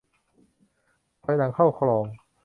ถอยหลังเข้าคลอง